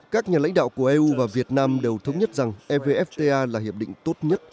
các nhà lãnh đạo của eu và việt nam đều thống nhất rằng evfta là hiệp định tốt nhất